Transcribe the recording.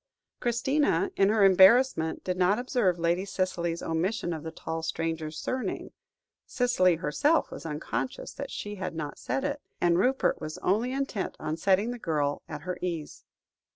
Christina, in her embarrassment, did not observe Lady Cicely's omission of the tall stranger's surname; Cicely herself was unconscious that she had not said it, and Rupert was only intent on setting the girl at her ease.